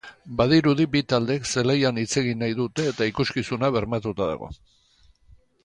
Badirudi bi taldeek zelaian hitz egin nahi dute eta ikuskizuna bermatuta dago.